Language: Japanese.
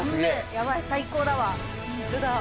ヤバい最高だわ。